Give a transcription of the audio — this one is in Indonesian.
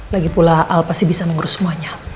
lagipula al pasti bisa mengurus semuanya